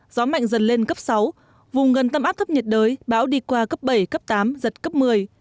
gió mạnh dần lên cấp sáu vùng gần tâm áp thấp nhiệt đới bão đi qua cấp bảy cấp tám giật cấp một mươi